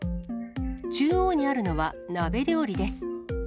中央にあるのは、鍋料理です。